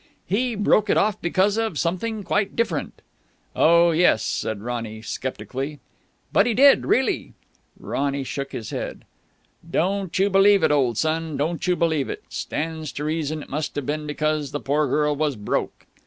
"He broke it off because of something quite different." "Oh, yes!" said Ronny sceptically. "But he did, really!" Ronny shook his head. "Don't you believe it, old son. Don't you believe it. Stands to reason it must have been because the poor girl was broke.